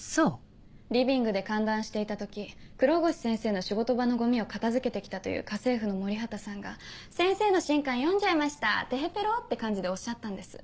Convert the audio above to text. リビングで歓談していた時黒越先生の仕事場のゴミを片付けて来たという家政婦の森畑さんが先生の新刊読んじゃいましたテヘペロって感じでおっしゃったんです。